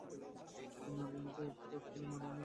তিনি আলেকসঁদ্র এফেল এবং কাতরিন মালিনি দম্পতির প্রথম সন্তান।